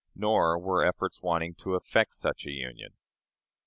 Nor were efforts wanting to effect such a union.